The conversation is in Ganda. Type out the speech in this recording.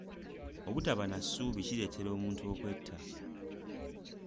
Obutaba na ssuubi kireetera omuntu okwetta.